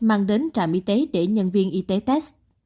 mang đến trạm y tế để nhân viên y tế test